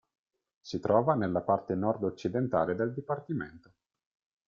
Si trova nella parte nord-occidentale del dipartimento.